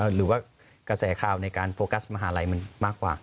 หรือว่ากระแสข่าวในการโฟกัสมหาลัยมันมากกว่า